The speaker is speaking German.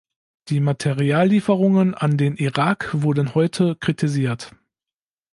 Die Materiallieferungen an den Irak wurden heute kritisiert.